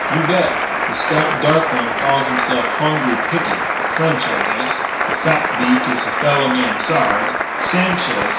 "You bet. The stout, dark man calls himself Hongri Picket. French, I guess. The fat beak is a fella named Sard.